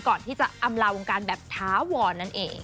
ก่อนที่จะอำลาวงการแบบถาวรนั่นเอง